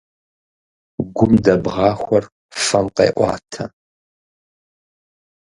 Гум дэбгъахуэр фэм къеӀуатэ.